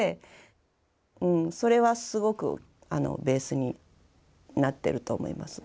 それはすごくベースになってると思います。